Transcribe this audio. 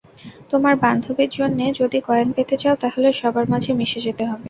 তোমার বান্ধবীর জন্যে যদি কয়েন পেতে চাও, তাহলে সবার মাঝে মিশে যেতে হবে।